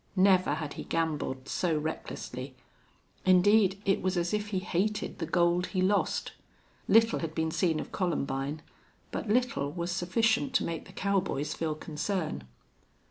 Never had he gambled so recklessly. Indeed, it was as if he hated the gold he lost. Little had been seen of Columbine, but little was sufficient to make the cowboys feel concern.